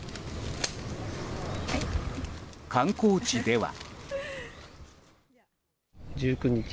観光地では。